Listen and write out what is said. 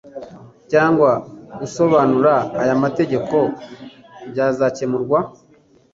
cyangwa gusobanura aya mategeko ibzakemurwa